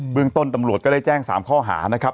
เรื่องต้นตำรวจก็ได้แจ้ง๓ข้อหานะครับ